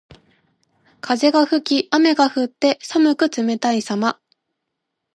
風が吹き雨が降って、寒く冷たいさま。